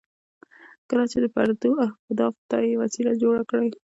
ځکه چې د پردو اهدافو ته یې وسیله جوړه کړې.